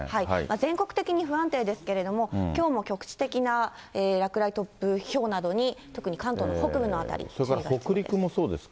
全国的に不安定ですけれども、きょうも局地的な落雷、突風、ひょうなどに、特に関東の北部の辺り、注意が必要です。